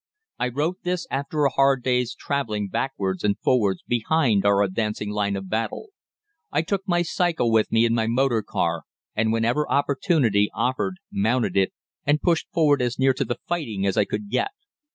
I wrote this after a hard day's travelling backwards and forwards behind our advancing line of battle. "I took my cycle with me in my motor car, and whenever opportunity offered mounted it, and pushed forward as near to the fighting as I could get.